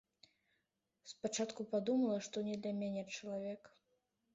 Спачатку падумала, што не для мяне чалавек.